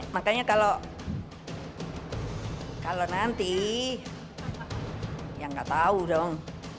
makanya kalau nanti ya nggak tahu dong